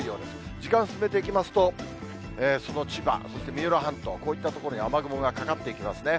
時間進めていきますと、その千葉、そして三浦半島、こういった所に雨雲がかかっていきますね。